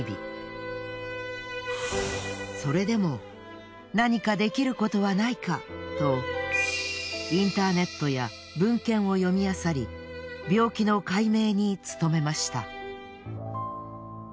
それでも何か出来る事はないかとインターネットや文献を読みあさり病気の解明に努めました。